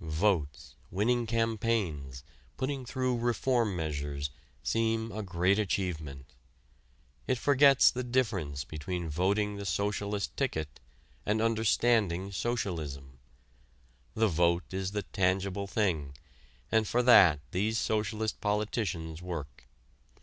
Votes, winning campaigns, putting through reform measures seem a great achievement. It forgets the difference between voting the Socialist ticket and understanding Socialism. The vote is the tangible thing, and for that these Socialist politicians work.